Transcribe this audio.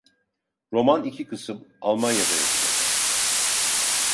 Roman, iki kısım, Almanya'da yazılacak.